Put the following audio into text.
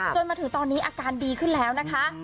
จนถึงตอนนี้อาการดีขึ้นแล้วนะคะ